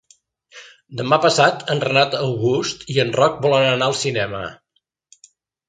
Demà passat en Renat August i en Roc volen anar al cinema.